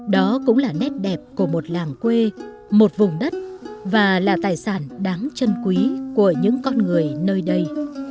đó cũng là nét đẹp của một làng quê một vùng đất và là tài sản đáng chân quý của những con người nơi đây